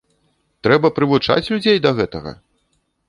Трэба прывучаць людзей да гэтага!